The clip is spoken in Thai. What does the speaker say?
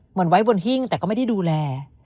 เหมือนไว้บนหิ้งแต่ก็ไม่ได้ดูแล